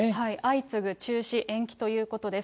相次ぐ中止、延期ということです。